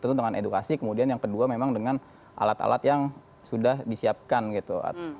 tentu dengan edukasi kemudian yang kedua memang dengan alat alat yang sudah disiapkan gitu